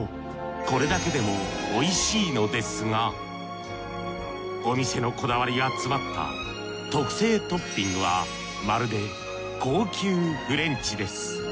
これだけでもおいしいのですがお店のこだわりが詰まった特製トッピングはまるで高級フレンチです。